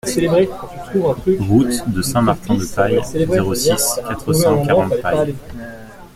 Route de Saint-Martin de Peille, zéro six, quatre cent quarante Peille